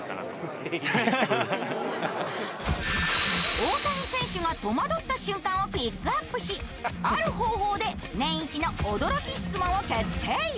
大谷選手が戸惑った瞬間をピックアップしある方法でネンイチ！の驚き質問を決定